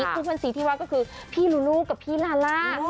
คู่เพื่อนสีที่ว่าก็คือพี่ลูลูกับพี่ลาล่า